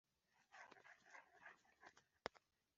aharimbure Yehova yisubiraho p bitewe n icyo cyago maze